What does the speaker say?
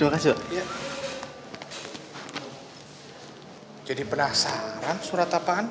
gak ada caranya